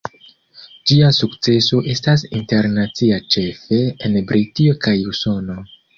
Ĝia sukceso estas internacia, ĉefe en Britio kaj Usono.